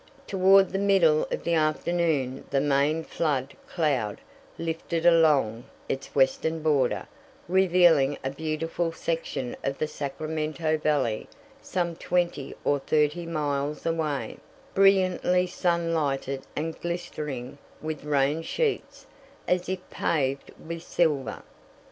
Toward the middle of the afternoon the main flood cloud lifted along its western border revealing a beautiful section of the Sacramento Valley some twenty or thirty miles away, brilliantly sun lighted and glistering with rain sheets as if paved with silver.